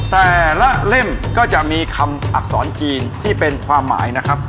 แต่ละเล่มก็จะมีคำอักษรจีนที่เป็นความหมายนะครับ